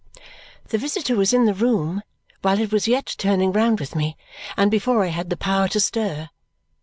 The visitor was in the room while it was yet turning round with me and before I had the power to stir.